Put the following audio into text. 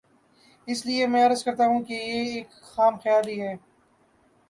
اس لیے میں عرض کرتا ہوں کہ یہ ایک خام خیالی ہے۔